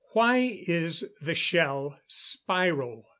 _Why is the shell spiral?